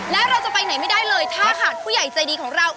และเราจะไปไหนไม่ได้เลยถ้าขาดผู้ใหญ่ใจดีของเรา